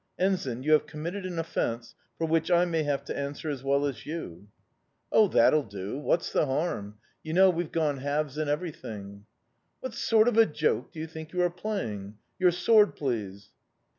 "'Ensign, you have committed an offence for which I may have to answer as well as you.' "'Oh, that'll do. What's the harm? You know, we've gone halves in everything.' "'What sort of a joke do you think you are playing? Your sword, please!